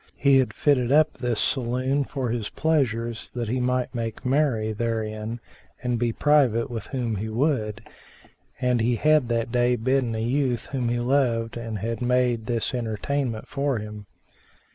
He had fitted up this saloon for his pleasures, that he might make merry therein and be private with whom he would, and he had that day bidden a youth whom he loved and had made this entertainment for him.